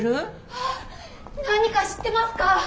あっ何か知ってますか？